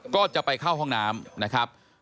ก็จะไปเข้าห้องน้ำนะครับ